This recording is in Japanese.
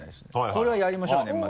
これはやりましょう年末。